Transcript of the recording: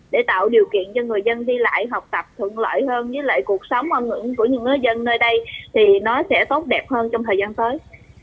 để tạo điều kiện cho người dân đi lại học tập thuận lợi hơn với lại cuộc sống của những người dân nơi đây thì nó sẽ tốt đẹp hơn trong thời gian tới